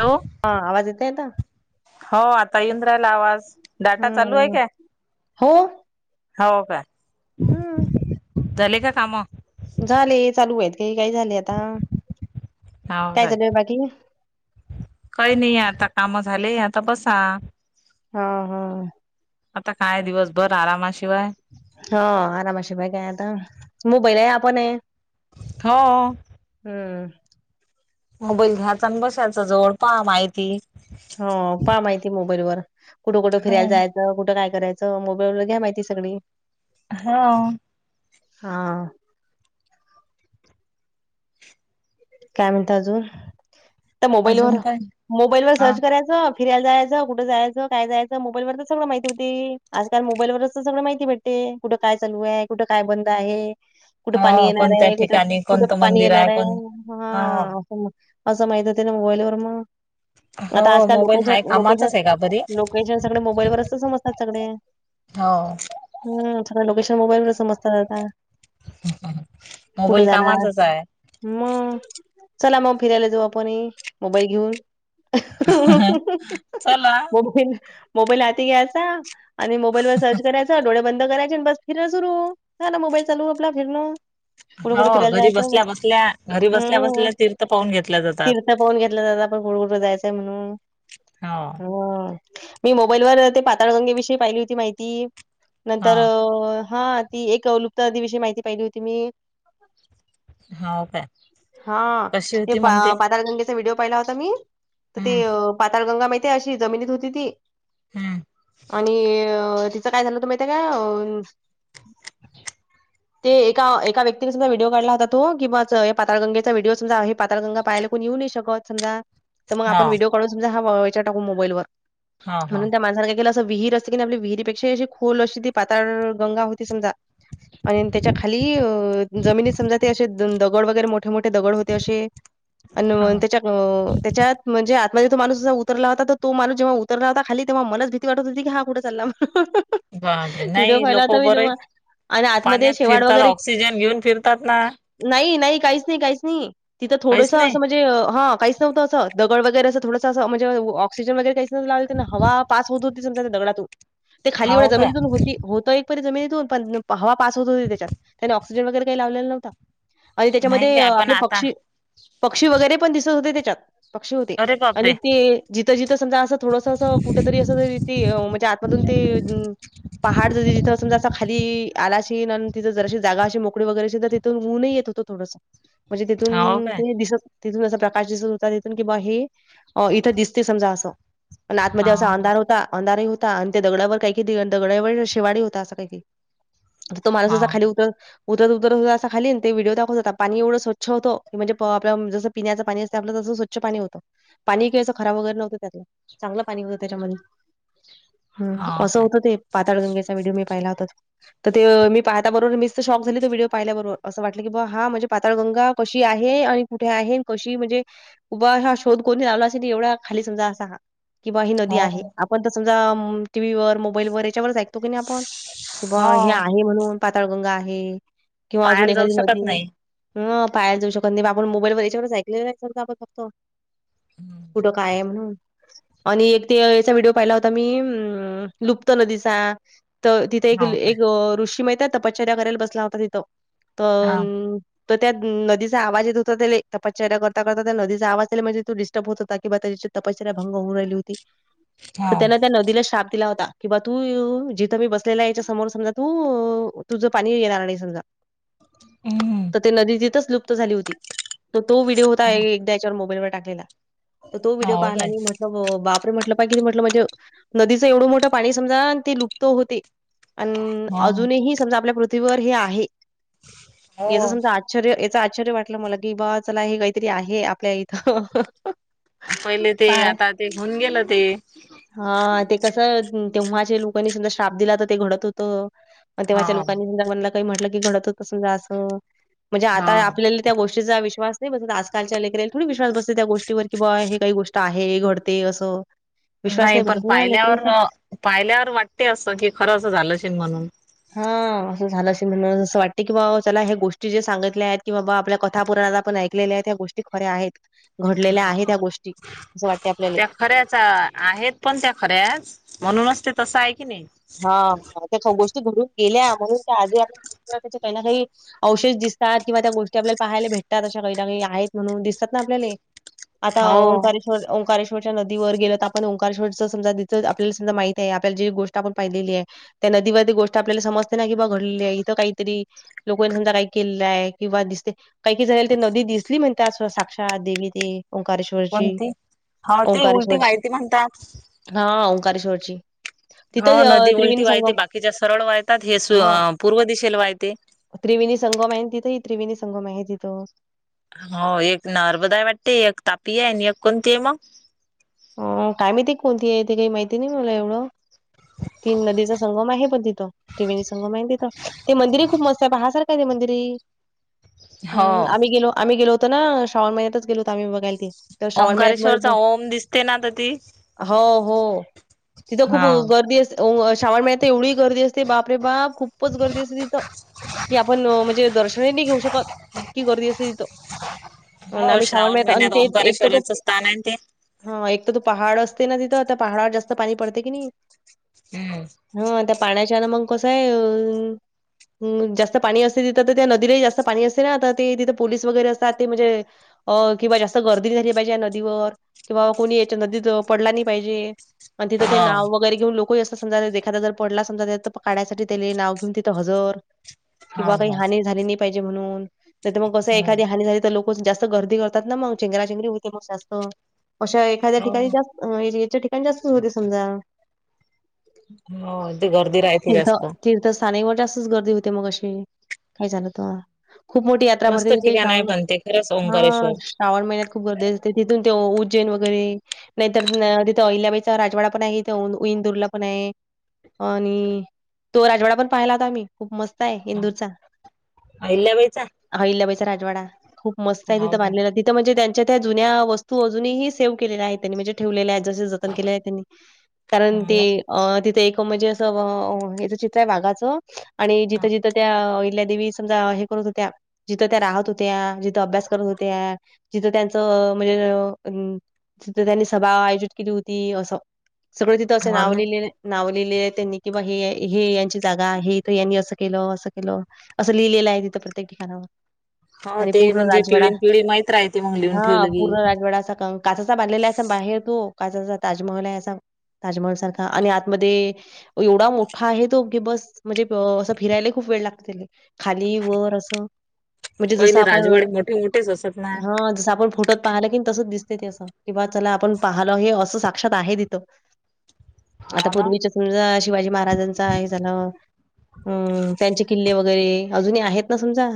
Hello! हां! आवाज येतोय आता? हो आता येऊन राहिला आवाज. डाटा हम्म चालू आहे हम्म काय हो! हो का! हम्म झाले का कामं? झाले, चालू आहेत, काय काय झाले आता काय चालू आहे बाकी? काही नाही आता काम झाले, आता बसा. हां हां. आता काय दिवसभर आरामाशिवाय! हां आरामशिवाय काय आता मोबाईल आहे आपण आहे. हो. हम्म. मोबाईल घ्यायचा आणि बसायचा जवळ पहा माहिती. हो पाहा माहिती मोबाईल वर कुठं कुठं हो फिरायला जाय च कुठं काय करायचं मोबाईलवर घ्या माहिती सगळी. हां. हां. काय म्हणता अजून तर मोबाईलवर अजून काय मोबाईल वर हा सर्च कराय च फिरायला जायचं, कुठं जायचं, काय जायचं मोबाईलवर तर सगळं माहिती होती आजकाल मोबाईलवरच तर सगळं माहिती भेट ते कुठं काय चालू आहे, कुठं काय बंद आहे. कुठं हो पाणी येणार कोणत्या आहे, कुठं ठिकाणी कुठं कोणतं पाणी मंदिर आहे येणार कोण हां हा असं माहित होतं ना मोबाईलवर मग. हो आता आजकाल मोबाईल हाय लोकेशन कामाचाच लोकेशन आहे का बरी लोकेशन सगळे मोबाईलवरच तर समजतात सगळे. हो. हम्म सगळे लोकेशन मोबाईल वरच समजतात आता. कुठे मोबाईल जाणार कामाचच आहे. मग चला मग फिरायला जाऊ आपणही मोबाईल घेऊन. चला मोबाल मोबाईल हाती घ्यायचा आणि मोबाईल वर सर्च करायचं डोळे बंद करायचे बस फिरणं सुरू झाल मोबाईल चालू आपला फिरणं. कुठं हो कुठं फिरायला घरी जायचं बसल्या बस बसल्या घरी बसल्या बसल्या तीर्थ पाहून घेतल्या जातात. का फोन घेतला जातात आपण पुढं कुठ जायचय म्हणून हां. अ मी मोबाईलवर ते पाताळगंगेविषयी पाहिली होती माहितीये हा नंतर हां ती एक लुप्त देवी ची पाहिली होती मी. हाव काय! हां कशी ते होती मग पाताळगंगेचा व्हिडिओ पाहिला होता मी, तर ते हम्म पाताळगंगा माहित तीये अशी जमिनीत होती ती हम्म आणि ती च काय झालं होतं माहितीये काय अ ते एका एका व्यक्तीने सुद्धा व्हिडिओ काढला होता तो किंवा च पातळगंगेचा व्हिडिओ समजा हे पाताळगंगा पहायला कोण येऊ नाही शकत समजा, तर मग हा आपण व्हिडिओ काढून समजा हेच्यावर टाकू मोबाईलवर हा हा म्हणून त्या माणसानं काय केलं अस विहीर असतं की नाही. आपली विहिरीपेक्षा अशी खोल अशी ती पाताळ गंगा होती समजा. आणि त्याच्या खाली जमिनीत समजा ते असे दगड वगैरे मोठ मोठे -मोठे दगड होते, असे हा आणि त्याच्या त्याच्यात म्हणजे आतमध्ये तो माणूस जेव्हा उतरला होता. तर तो माणस जेव्हा उतरला होता खाली, तेव्हा मलाच भीती वाटत होती. हा कुठे? चालला म्हणून. ह, ह, ह,. बाबरे! नाही लोक बर आणि आतमध्ये पाण्यात शेवाळ फिरतात वगैरे ऑक्सिजन घेऊन फिरतात ना? नाही, नाही काहीच नाही, काहीच नाही तिथं काहीच थोडस नाही असं म्हणजे हा काहीच नवतं अस, दगड वगैरे असं थोडं म्हणेजे ऑक्सिजन वगैरे असं हवा पास होत होती समजा, दगडातून ते खाली एवढ्या हो काय जमीतून होत ती होतं एक परी जिनीतून पण, हवा पास होत होती त्याच्यात, त्यांने ऑक्सिजन वगैरे काही लावलेला नव्हता. आणि नाही त्याच्यामध्ये काय पण आपले आता पक्षी. पक्षी वगैरे पण दिसत होते त्याच्यात, पक्षी होते अरे बापरे आणि ते जिथं जिथं समजा असं थोडस, अस कुठ तरी अस तरी म्हणजे आतमधून ते पहाड ज जिथं समजा असा खाली आलाशीन, आणि तिथं जर अशी जागा अशी मोकळी वगैरे तर, तिथुन ऊनही येत होत. थोडस, म्हणजे हो तेथून काय ते दिसत तिथून असं प्रकाश दिसत होता. तिथून की बा हे इथं दिसते समजा असं. आन आतमध्ये असा हो काय अंधार होता. अंधारही आणि त्या दगडावर काही क दगडावर शेवाळ होता, असं काही, काही. तो माणुस असा हो खाली उतर उतरत, उतरत होता, अस खाली ते व्हिडिओ दाखवत. पाणी एवढं स्वच्छ होतं की, म्हणजे आपल जसं पिण्याच पाणी असते. आपलं तसं स्वच्छ पाणी होतं. पाणी कि आस खराब वगैरे नव्हं, त्यात चांगलं पाणी होतं. त्याच्यामध्ये. हम, हो असं काय होतं ते पाताळगंगेच. तो व्हिडिओ मी पाहिला होता तो, मीच तर शॉक झाली. पाहिल्याबरोबर अस वाटल की, हां पातळगंगा कशी आहे. आणि कुठे आहे कशी म्हणजे उभा हा शोध कोणी लावला असे एवढ्या खाली समजा असा हा. कि बा ही नदी हो आहे. आपण तर समजा टीव्ही वर मोबाईल वर याच्यावरच ऐक तो क नाही आपण किं बा हो हे आहे. म्हणून पाताळगंगा आहे, किंवा अजून पाहायला जाऊ एखादी शकत नदी नाही ह पायाला जाऊ शकत नाही आपण, मोबाईल व याच्यावर ऐकलेलं ना तर आपण फक्त हम्म, कुठं काय म्हणून? आणि एक ते याचा व्हिडिओ पाहिला होता, मी लुप्त नदीचा. तर तिथं एक हो काय एक ऋषी माहीत तपश्चर्या करायला बसला होता तिथं, हा तर तर त्या नदीचा आवाज येत होता त्याले, तपश्चर्या करता- करता त्या नदीचा आवाज त्याले, म्हणजे तो दि होत होता किंवा त्या तपस्या भंग होऊन राहिली होती. हो तर त्याने त्या नदीला श्राप दिला होता. किं बा तू जिथं मी बसलेला याच्या समोर समजा तू तुझं पाणी येणार नाही समजा. हम. तर ती नदी तिथच लुप्त झाली होती. तर तो व्हिडिओ होता, एकदा याच्यावर मोबाईलवर टाकलेला. तर तो व्हिडिओ हो पाहायला काय मी म्हट बापरे! म्हटलं पाय कि ते म्हटलं म्हणजे नदीचं एवढं मोठं पाणी समजा, ते लुप्त होते. अन हो अजूनही समजा आपल्या पृथ्वीवर हे आहे. हो याच समजा आश्चर्य याच आश्चर्य वाटलं मला की, बा चला हे काहीतरी आहे. आपल्या इथं. पहिले ते आता ते होऊन गेलं ते. हा ते कसं तेव्हाच्या लोकांनी समजा श्राप दिला तर, ते घडत होत. मग तेव्हाच्या हा लोकांनी म्हणला काही, म्हटलं की घडत होत तसून जायाच, असं म्हणजे आता हा आपल्या त्या गोष्टीचा विश्वास नाही बसत. आजकालच्या लेेकराला थोडी विश्वास बसते. त्या गोष्टीवर कि बा हे काही गोष्ट आहे. घडते असं. विश्वास नाही पण बसत ना पाहिल्यावर, लेकराचा. पाहिल्यावर वाटते असं कि खरं असं झालं अशेल म्हणून. हं. असं झालं असेल म्हणून असं वाटत. की बाबा चला हे गोष्टी जे सांगितल्या आहेत कि बाबा आपल्या कथा पुराणात आपण ऐक - -लेल्या आहेत ह्या गोष्टी खऱ्या आहेत. घडलेल्या आहेत ह्या गोष्टी असं वाटतय आपल्याले. त्या खऱ्याच अ -आहेत पण त्या खऱ्याच म्हणूनच ते तसं आहे की नाही? हां. ह तशा गोष्टी घडून गेल्या म्हणून त्या आजही [unintelligible] त्या काही ना काही- अवशेष दिसतात किंवा त्या गोष्टी आपल्याले पाहायला भेटतात अशा काही ना काही. आहेत म्हणून दिसतात ना आपल्याले? आता हो ओंकार- ओंकारेश्वरच्या नदीवर गेल त आपण ओंकारेश्वरच समजा तिथ आपल्याला समजा माहित ए. आपल्याला जे गोष्ट- आपण पाहिलेली आहे. त्या नदीवरती गोष्ट आपल्याला समजते ना की बा घडलेली ए इथं काहीतरी- लोकांनी समजा काही केलेलं आहे किंवा दिसते- काही काही जणाले ते नदी दिसली म्हणत्यात अस साक्षात देवी ते- ओंकारेश्वरची. कोणती हो ते उलटी ओंकारेश्वरची. वाहती म्हणतात हां. ओंकारेश्वरची. हो तिथं अं, नदी त्रिवेणी उलटी वाहीते. संगम बाकीच्या सरळ वाहीतात हे हा पूर्व दिशेला वाहीते. त्रिवेणी संगम आहे ना तिथे? त्रिवेणी संगम आहे तिथं. हो. एक नर्मदाय वाटते. एक तापी आहे आणि एक कोणती आहे मग? अ काय माहिती कोणती आहे तेे? काही माहिती नाही मला एवढं. तीन नदीचा संगम आहे पण तिथं. त्रिवेणी संगम आहे ना तिथं? ते मंदिरही खूप मस्तय पहासारखय ते मंदिरही. हो हम. आम्ही गेलो, आम्ही गेलो होतो ना? श्रावण महिन्यातच गेलो होतो आम्ही बघायला ते. तर श्रावण महिन्यात ओंकारेश्वरचा मग ओम दिसते ना तर ती- हो. हो. तिथं खूप हा गर्दी अस- हो. श्रावण महिन्यात त एवढी गर्दी असते बापरे बाप. खूपच गर्दी असते तिथं. कि आपण म्हणजे दर्शनही नाही घेऊ शकत. इतकी गर्दी असते तिथं. [unintelligible] आम्ही श्रावण महिन्यात आणि ते एक तर तो- तान न ते. हा. एक तर तो पहाड असते ना तिथं? त्या पहाडवर जास्त पाणी पडते की नाही? हम्म. हं. त्या पाण्याच्यान मग कसंय अं - हं. जास्त पाणी असते तिथं तर त्या नदीला जास्त पाणी असते ना? तर ते तिथं पोलीस वगैरे असतात ते म्हणजे- अ किंवा जास्त गर्दी झाली पाहिजे या नदीवर. किंवा कोणी याच्या नदीत पडला नाही पाहिजे. आणि तिथं ते हो नाव- वगैरे घेऊन लोकही असतात. समजा एखादा जर पडला समजा त्यात तर काढायसाठी त्याले नाव घेऊन तिथं हजर. कि हो बा काही हो हानी झाली नाही पाहिजे म्हणून. नाही त म कसय हो एखादी हानी झाली तर लोक- [unintelligible] जास्त गर्दी करतात ना म? चेंगरा चेंगरी होते मग जास्त. अशा एखाद्या हो ठिकाणी जास्त, याच्या ठिकाणी जास्त होते समजा. हो. ती गर्दी रायती जास्त. त्या स्थानि म जास्तच गर्दी होते मग अशी. काही झालं त. खूप मोठी यात्रा मस्त भरते तिथे ठिकाण आहे श्रावण, पण ते खरंच ओंकारेश्वर हां. श्रावण महिन्यात खूप गर्दी असते. तिथून- ते उज्जैन वगैरे. नाहीतर तिथे अहिल्याबाईचा राजवाडा पण आहे. तिथे ईंदूरला पण आहे. आणि तो राजवाडा पण पाहिला होता आम्ही. खूप मस्त आहे इंदूरचा. अहिल्या बाईचा? अहिल्याबाईचा राजवाडा. खूप मस्तय हो तिथं का बांधलेला. तिथं म्हणजे त्यांच्या त्या जुन्या वस्त- -स्तू अजूनही सेव्ह केलेल्या आहेत त्यांनी. म्हणजे ठेवलेल्यायेत. जस जतन केल्याये त्यांनी. कारण हो ते ना अं तिथे एक म्हणजे- अ हेच चित्र आहे वाघाचं आणि जिथं जिथं त्या अहिल्यादेवी समजा करत होत्या जिथं त्या राहत होत्या जिथं अभ्यास करत होत्या जिथं त्यांच म्हणजे अ तिथ त्यांनी सभा आयोजित केली होती असं सगळं तिथं असं हो नाव ना लिहिलेललं ये. नाव लिहिलेलं आहेत त्यांनी किं बा हे हे यांची जागा आहे हे इथं यांनी असं केलं, असं केलं. असं लिहिलेलं आहे तिथं प्रत्येक ठिकाणावर. हो आणि ते पूर्ण म्हणजे राजवाडा पिढीन पिढी माहित राहते मग लिहून हां ठेवलं की पूर्ण राजवाडा काचचा बांधलेला हाय असा बाहेर तो काचचा ताजमहल आहे असा. ताजमहल सारखा आणि आतमध्ये एवढा मोठा आहे तोे कि बस म्हणजे असं फिरायले ही खूप वेळ लागते तेले. खाली वर असं म्हणजे जसं पहिले आपण राजवाडे मोठे मोठेच असत ना हां जसं आपण फोटोत पाहिलं की तसच दिसते ते असं कि बा चला आपण पाहालं हे असं साक्षात आहे तिथं. आता हो ना पूर्वीच समजा शिवाजी महाराजांचा हे झालं हम्म त्यांचे किल्ले वगैरे अजून ही आहेत ना समजा.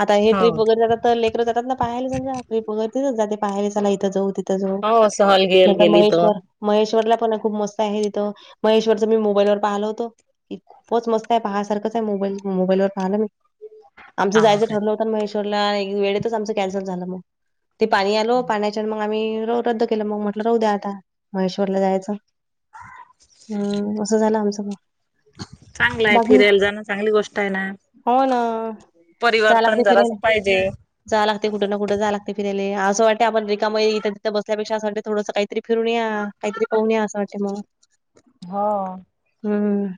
आता हे हो ट्रिप वैगेरे जात तर लेकर जातात ना पाहायले समजा ट्रिप वैगेरे तिथंच जाते पाहायले चला इथं जाऊ. तिथं जाऊ हो सहल गेल म्हणतात गेली तर महेश्वर महेश्वरला पण खूप मस्त आहे तिथं महेश्वरच मी मोबाईलवर पाहलं होत. की खूपच मस्त आहे पहा सारखंच आहे मोबाईल मोबाईलवर पाहाल मी. आमचं हा जायचं काय ठरलं होतं महेश्वरला आणि वेळेतच आमच कॅन्सल झालं मग. ते पाणी आलो पाण्या मग आम्ही रद्द केलं मग म्हटलं राहू द्या आता महेश्वरला जायचं. हम्म असं झालं आमचं मग. चांगलाय बाकी फिरायला जाणं चांगली गोष्ट आहे ना. हो ना परिवर्तरण जरास पाहिजे. जायला लागतयं कुठं ना कुठं जायला लागतयं फिरायले असं वाटते आपण मग इथं तिथे बसल्यापेक्षा असं वाटते थोडसं काहीतरी फिरून या काहीतरी पाहूया असं वाटते मग हां... हम्म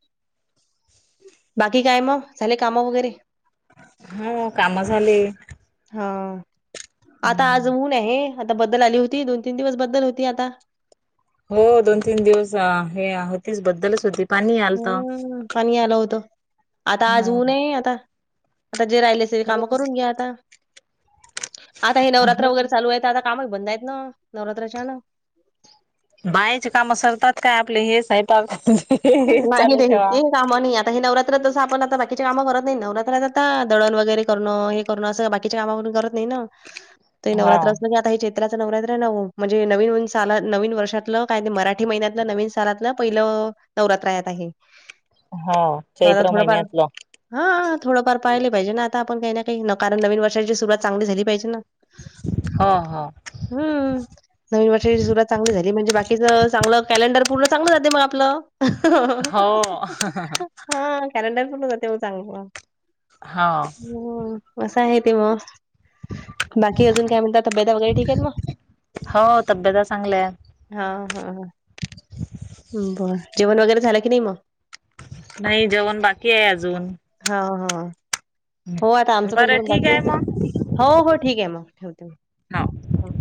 बाकी काय मग झाले काम वगैरे?? हो काम झाले. हा आता हम्म आज ऊन आहे. आता बदल आली होती दोन- तीन दिवस बदल होती आता. हो दोन -तीन दिवस हे होतीच बद्दलच होती पाणी ही आलत. हम्म पाणी ही आलं होतं आता आज ह ऊन ये आता आता जे राहिले असले ते हो काम करून घ्या आता. आता हे नवरात्र हो, वगैरे चालू आहे तर आता कामही बंद आहेत ना नवरात्राच्या न. बायाचे काम सरतात काय आपले हे [unintelligible] हे चालू ठेवा. काम नाही आता हे नवरात्र तसं आपण आता बाकीच्या काम करत नाही नवरात्रात आता दळण वगैरे करणं हे करणं असं बाकीची काम कोण करत नाही ना. ते हा नवरात्र असलं कि चित्राचं नवरात्र म्हणजे नवीन वर्षातलं काय मराठी महिन्यातलं नवीन सन. सणातलं पहिले नवरात्र आहे आता हे. हा तर आता चैत्र थोडंफार महिन्यातलं. हां थोडंफार पाहिले पाहिजे ना आता आपण काही ना काही कारण नवीन वर्षाची सुरुवात चांगली झाली पाहिजे ना. हो हो.. हम्म... नवीन वर्षाची सुरवात चांगली म्हणजे बाकीचं चांगलं कॅलेंडर पूर्ण चांगलं जाते मग आपलं. हो... हा कॅलेंडर पूर्ण जाते मग चांगलं. हाव, हो असा हे ते मग, बाकी अजून काय म्हणतात? तब्यता वगैरे ठीक आहेत मग? हो तब्यता चांगल्या हा हा ह, बर जेवण वगैरे झालं की नाही मग? नाही जेवण बाकी आहे अजून? हा हा, हो आता आमचं पण बरं जेवण ठीक बाकी आहे? मग हो हो ठीक आहे मग ठेवते मग. हो. हाव.